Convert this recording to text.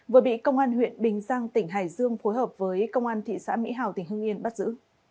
vừa bị công an huyện bình giang tỉnh hải dương phối hợp với công an thị xã mỹ hào tỉnh hương yên bắt giữ